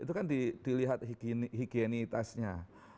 itu kan dilihat higienitasnya